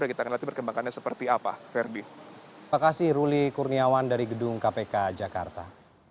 dan kita akan lihat berkembangannya seperti apa